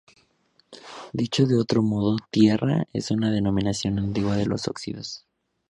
Dicho de otro modo, "tierra" es una denominación antigua de los óxidos.